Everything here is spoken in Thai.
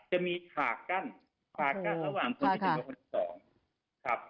จะมีฉากกั้นผงกัดระหว่างตอนที่๑กับคนอื่น๒